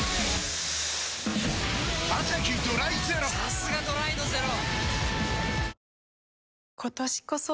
さすがドライのゼロ！